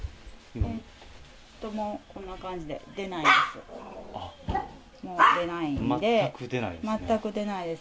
もう、こんな感じで、出ないです。